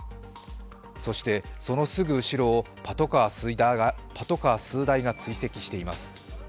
そして、そのすぐ後ろをパトカー数台が追跡しています。